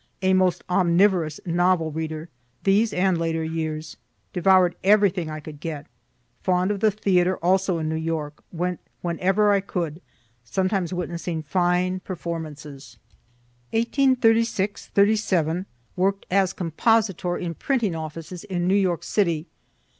A most omnivorous novel reader, these and later years, devour'd everything I could get. Fond of the theatre, also, in New York, went whenever I could sometimes witnessing fine performances. 1836 7, work'd as compositor in printing offices in New York city.